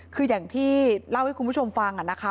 คืออย่างที่เล่าให้คุณผู้ชมฟังนะคะ